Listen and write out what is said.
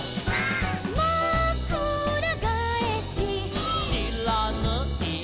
「まくらがえし」「」「しらぬい」「」